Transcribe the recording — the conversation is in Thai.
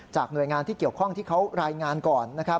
หน่วยงานที่เกี่ยวข้องที่เขารายงานก่อน